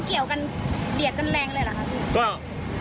เหลียดกันแรงเลยเหรอคะ